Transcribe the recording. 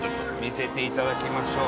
見せていただきましょう。